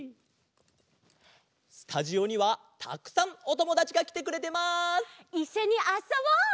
スタジオにはたくさんおともだちがきてくれてます！いっしょにあっそぼう！